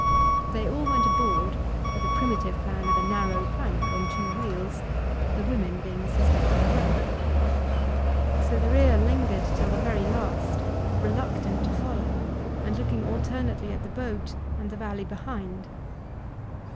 They all went aboard by the primitive plan of a narrow plank on two wheels the women being assisted by a rope. Cytherea lingered till the very last, reluctant to follow, and looking alternately at the boat and the valley behind.